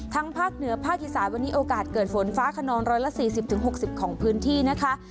ทั้งฝากเหนือฝากหิษาวันนี้โอกาสเกิดฝนฟ้าคนน้องร็อยละ๔๐๖๐ของพื้นที่นะคะ